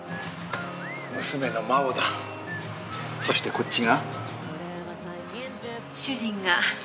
そしてこっちが。